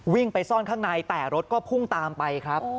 ไปซ่อนข้างในแต่รถก็พุ่งตามไปครับ